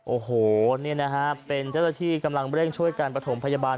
โอโหเป็นเจ้าตัวที่กำลังเร่งช่วยกันประถมพยาบาร